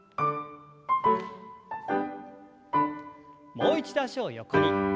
もう一度脚を横に。